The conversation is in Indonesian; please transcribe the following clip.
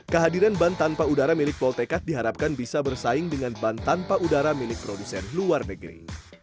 kehadiran ban tanpa udara milik voltekad diharapkan bisa bersaing dengan ban tanpa udara milik produsen luar negeri